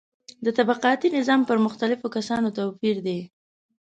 د طبقاتي نظام پر مختلفو کسانو توپیر دی.